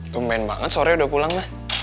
tumpen banget sore udah pulang ma